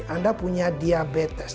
anda punya diabetes